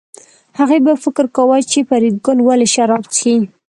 هغې به فکر کاوه چې فریدګل ولې شراب څښي